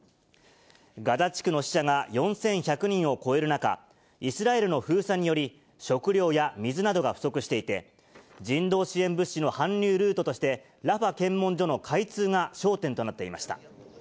ガザ地区の死者が４１００人を超える中、イスラエルの封鎖により食料や水などが不足していて、人道支援物資の搬入ルートとして、ラファ検問所の開通が焦点となっていました。